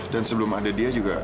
dan sebelum ada dia juga